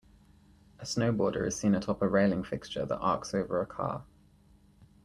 A snowboarder is seen atop a railing fixture that arcs over a car.